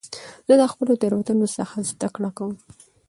زه د خپلو تېروتنو څخه زده کړه کوم.